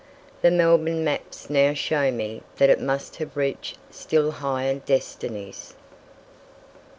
The Melbourne maps now show me that it must have reached still higher destinies.